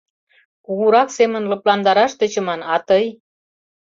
Кугурак семын лыпландараш тӧчыман, а тый...